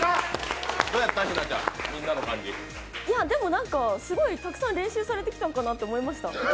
なんかすごいたくさん練習されてきたのかなと思いました。